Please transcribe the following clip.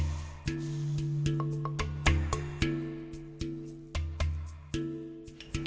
kepada pemerintah kemungkinan untuk memulai